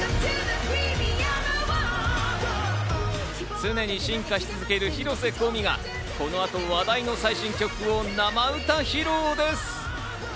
常に進化を続ける広瀬香美が、この後、話題の最新曲を生歌披露です！